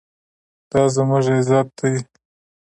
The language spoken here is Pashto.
دا زموږ عزت دی